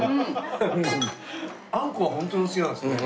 あんこがホントにお好きなんですね。